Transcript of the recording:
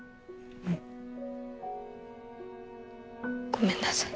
ごめんなさい。